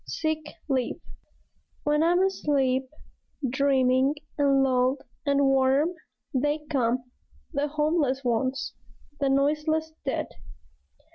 SICK LEAVE When I'm asleep, dreaming and lulled and warm, They come, the homeless ones, the noiseless dead.